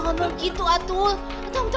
mas youthika bisa cepat ya